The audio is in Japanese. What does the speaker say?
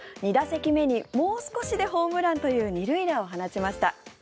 ２打席目にもう少しでホームランという２塁打を放ちました。